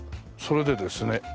それでですね